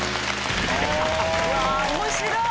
うわー面白い！